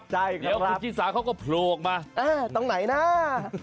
เดี๋ยวคุณจิสาเขาก็โหลงมาตรงไหนน่า